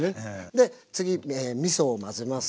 で次みそを混ぜます。